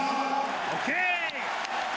ＯＫ！